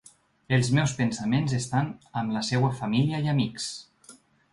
Els meus pensaments estan amb la seva família i amics.